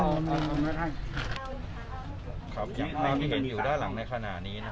อ้อนแผนไหนนะรินคนให้เราเงินที่นี่ห้องปุ่มลองเข้าไปนี่เลย